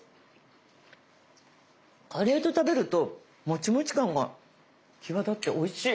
カレーと食べるともちもち感が際立っておいしい！